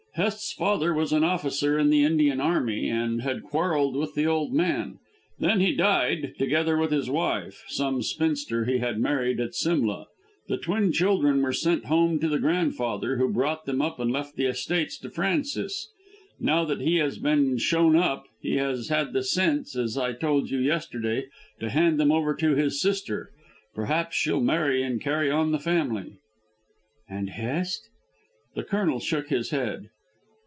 Hest's father was an officer in the Indian army, and had quarrelled with the old man. Then he died, together with his wife, some spinster he had married at Simla. The twin children were sent home to the grandfather, who brought them up and left the estates to Francis. Now that he has been shown up, he has had the sense, as I told you yesterday, to hand them over to his sister. Perhaps she'll marry and carry on the family." "And Hest?" The Colonel shook his head.